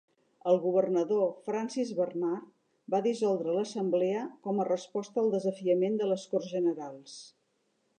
El governador Francis Bernard va dissoldre l'assemblea com a resposta al desafiament de les Corts Generals.